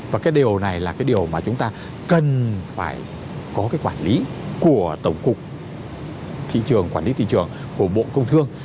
và cái điều này là cái điều mà chúng ta cần phải có cái quản lý của tổng cục thị trường quản lý thị trường của bộ công thương